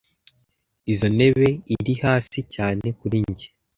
Izoi ntebe iri hasi cyane kuri njye.